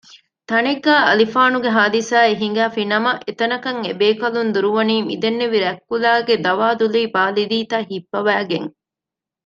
ތަނެއްގައި އަލިފާނުގެ ހާދިސާއެއް ހިނގައިފިނަމަ އެތަނަކަށް އެބޭކަލުން ދުރުވަނީ މިދެންނެވި ރަތް ކުލައިގެ ދަވާދުލީ ބާލިދީތައް ހިއްޕަވައިގެން